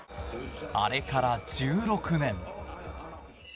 あれから１６年。